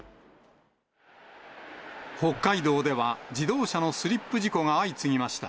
北海道では、自動車のスリップ事故が相次ぎました。